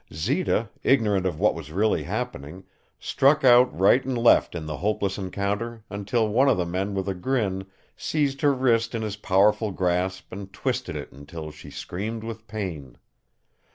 Zita, ignorant of what was really happening, struck out right and left in the hopeless encounter, until one of the men with a grin seized her wrist in his powerful grasp and twisted it until she screamed with pain.